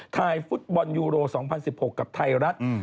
ถ่ายฟุตบอลยูโร๒๐๑๖กับไทยรัฐ